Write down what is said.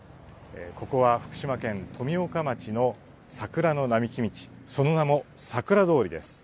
ここは福島県富岡町の桜の並木道、その名も桜通りです。